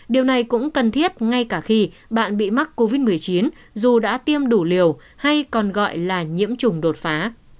điều này cũng cần thiết ngay cả khi bạn bị mắc covid một mươi chín dù đã tiêm đủ liều hay còn gọi là nhiễm trùng đột phá